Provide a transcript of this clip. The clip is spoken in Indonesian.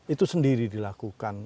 itu sendiri dilakukan